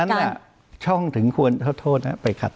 อันนั้นอ่ะช่องถึงควรโทษฮะไปขัด